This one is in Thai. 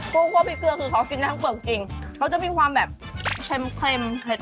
กุ้งข้อพรีเกลือคือเค้ากินได้ทั้งหมดจริงเค้าจะมีความแบบเค็มเผ็ด